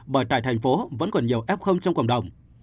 bởi tại thành phố vẫn còn nhiều f trong cộng đồng